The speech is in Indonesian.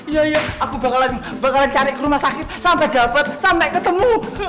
ya ya aku bakalan cari rumah sakit sampai dapat sampai ketemu